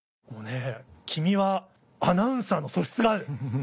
君はアナウンサーの素質がある。